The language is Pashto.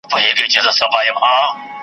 پر قبرونو مو خدای ایښی برکت دی .